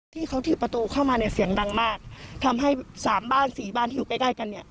ที่เขาถือประตูเข้ามาเนี่ยเสียงดังมากทำให้สามบ้านสี่บ้านที่อยู่ใกล้ใกล้กันเนี่ย